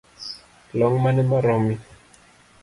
Long’ mane maromi?